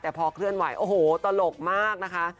แต่พอเคลื่อนไหวโอ้โหตลกมากนะคะ